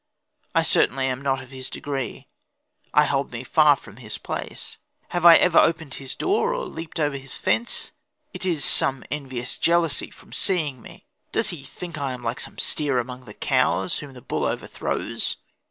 I certainly am not of his degree, I hold me far from his place. Have I ever opened his door, or leaped over his fence? It is some envious jealousy from seeing me; does he think that I am like some steer among the cows, whom the bull overthrows?